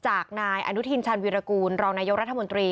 จากนายอนุทินชาญวิรากูลรองนายกรัฐมนตรี